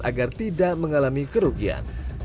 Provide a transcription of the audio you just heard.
agar tidak mengalami kerugian